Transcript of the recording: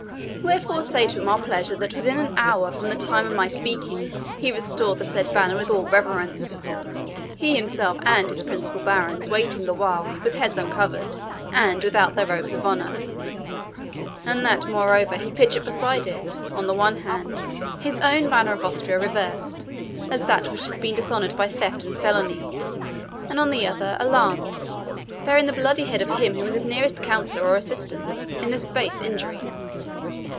Wherefore say to him our pleasure that within an hour from the time of my speaking he restore the said banner with all reverence he himself and his principal barons waiting the whilst with heads uncovered, and without their robes of honour. And that, moreover, he pitch beside it, on the one hand, his own Banner of Austria reversed, as that which hath been dishonoured by theft and felony, and on the other, a lance, bearing the bloody head of him who was his nearest counsellor, or assistant, in this base injury.